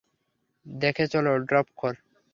দেখে চলো, ড্রপখোর!